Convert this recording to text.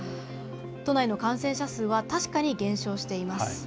都内の感染者数は確かに減少しています。